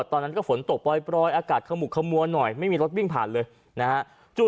ตอนนั้นก็ฝนตกปล่อยอากาศขมุกขมัวหน่อยไม่มีรถวิ่งผ่านเลยนะฮะ